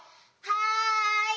はい。